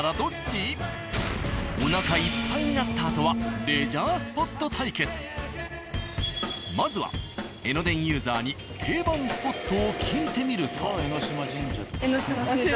おなかいっぱいになったあとはまずは江ノ電ユーザーに定番スポットを聞いてみると。